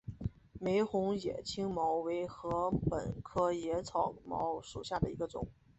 玫红野青茅为禾本科野青茅属下的一个种。